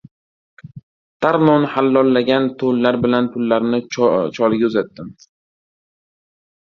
Tarlon halollagan to‘nlar bilan pullarni cholga uzatdim.